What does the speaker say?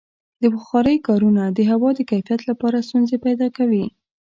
د بخارۍ کارونه د هوا د کیفیت لپاره ستونزې پیدا کوي.